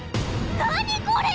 何⁉これ！